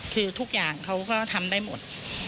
คือทุกอย่างเขาก็ทำได้หมด